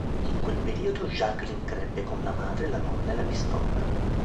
In quel periodo Jacqueline crebbe con la madre, la nonna e la bisnonna.